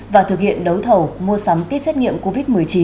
và thực hiện đấu thầu mua sắm kit xét nghiệm covid một mươi chín